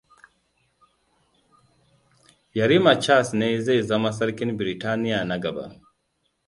Yarima Charles ne zai zama sarkin Biritaniya na gaba.